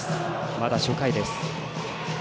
まだ初回です。